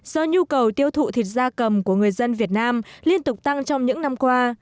do nhu cầu tiêu thụ thịt da cầm của người dân việt nam liên tục tăng trong những năm qua